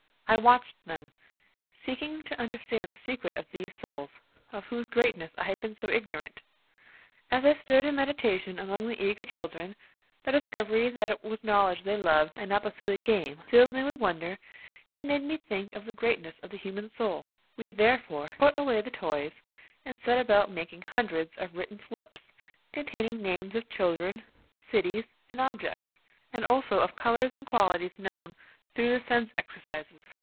I watched them, seeking to understand the secret of these souls, of whose greatness I had been so ignorant! As I stood in meditation among the eager children, the discovery that it was knowledge they loved, and not the silly game, filled me with wonder and made me think of the greatness of the human soul! We therefore put away the toys, and set about making hundreds of written slips, containing names of children, cities, and objects; and also of colours and qualities known through the sense exercises.